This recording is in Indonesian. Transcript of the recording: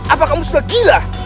apa kamu sudah gila